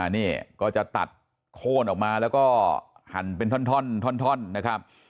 นี่ก็จะตัดโค้นออกมาแล้วก็หั่นเป็นท่อนนะครับ